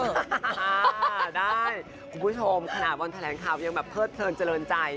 คุณผู้ชมขนาดวันแถลงข่าวยังเผิดเตินเจริญใจ